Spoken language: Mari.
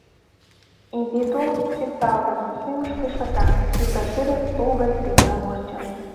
Изи тул, чӱкталтын, шӱмышкӧ шыта, Писе шӱдыр тул гай тӱня вошт чымен.